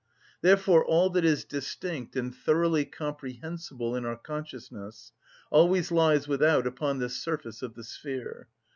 Therefore all that is distinct and thoroughly comprehensible in our consciousness always lies without upon this surface of the sphere.